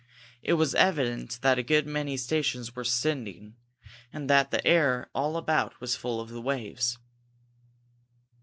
It was evident that a good many stations were sending, and that the air all about was full of the waves.